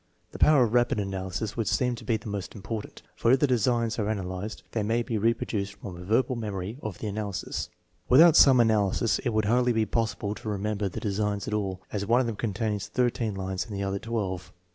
5 * The power of rapid analysis would seem to be the most important, for if the designs are analyzed they may be reproduced from a verbal memory of the analysis. With out some analysis it would hardly be possible to remember TEST NO. X, S 201 the designs at all, as one of them contains thirteen lines and the other twelve.